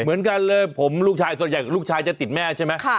เหมือนกันเลยผมลูกชายส่วนใหญ่ลูกชายจะติดแม่ใช่ไหม